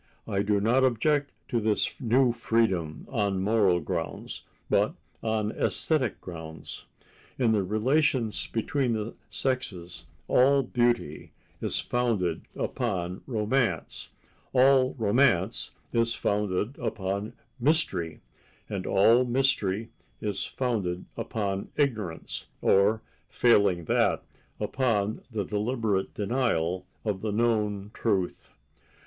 I do not object to this New Freedom on moral grounds, but on æsthetic grounds. In the relations between the sexes all beauty is founded upon romance, all romance is founded upon mystery, and all mystery is founded upon ignorance, or, failing that, upon the deliberate denial of the known truth.